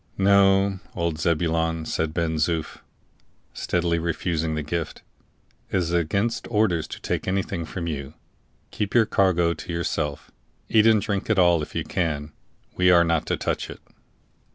"No, old Zebulon," said Ben Zoof, steadily refusing the gift, "it is against orders to take anything from you. Keep your cargo to yourself; eat and drink it all if you can; we are not to touch it."